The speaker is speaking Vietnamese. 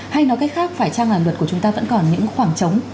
hay nói cách khác phải chăng là luật của chúng ta vẫn còn những khoảng trống